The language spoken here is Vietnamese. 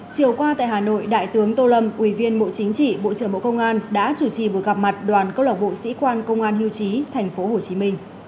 chiều qua tại hà nội đại tướng tô lâm ủy viên bộ chính trị bộ trưởng bộ công an đã chủ trì buổi gặp mặt đoàn câu lạc bộ sĩ quan công an hiêu chí tp hcm